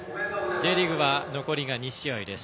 Ｊリーグは残りが２試合です。